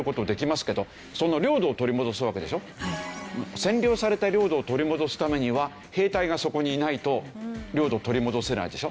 占領された領土を取り戻すためには兵隊がそこにいないと領土を取り戻せないでしょ？